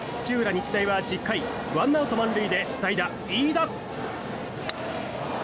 日大は１０回１アウト満塁で代打、飯田。